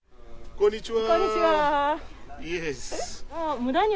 こんにちは。